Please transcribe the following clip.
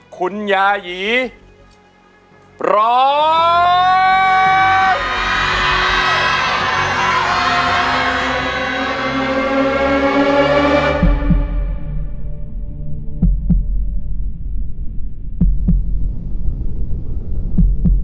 คุณยายีร้อง